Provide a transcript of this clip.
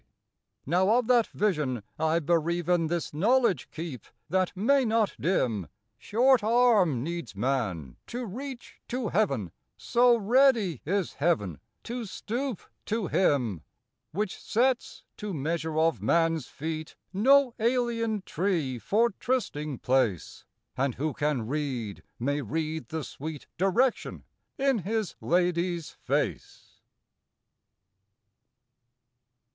Now of that vision I bereaven This knowledge keep, that may not dim: Short arm needs man to reach to Heaven, So ready is Heaven to stoop to him; Which sets, to measure of man's feet, No alien Tree for trysting place; And who can read, may read the sweet Direction in his Lady's face.